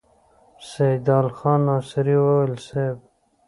سيدال خان ناصري وويل: صېب!